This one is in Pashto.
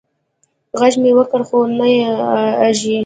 غږ مې وکړ خو نه یې اږري